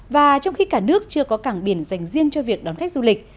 và trong khi cả nước chưa có cảng biển dành riêng cho việc đón khách du lịch